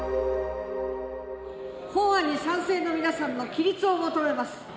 本案に賛成の皆さんの起立を求めます。